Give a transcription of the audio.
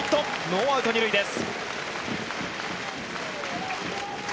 ノーアウト２塁です。